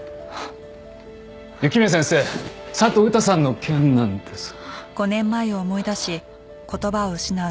雪宮先生佐藤うたさんの件なんですが。